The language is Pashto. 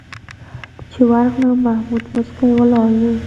چې ورغلم محمود موسکی ولاړ و.